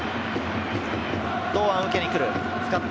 堂安、受けに来る。